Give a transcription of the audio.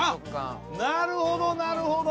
あなるほどなるほど！